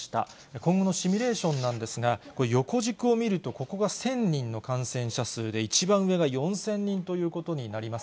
今後のシミュレーションなんですが、これ、横軸を見ると、ここが１０００人の感染者数で、一番上が４０００人ということになります。